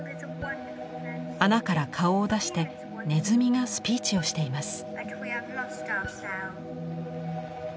穴から顔を出してネズミがスピーチをしています。